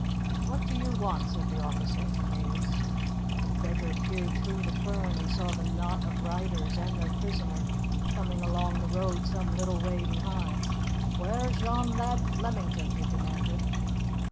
"What do you want?" said the officer, amazed. The beggar peered through the fern and saw the knot of riders and their prisoner coming along the road some little way behind. "Whaur's yon lad Flemington?" he demanded.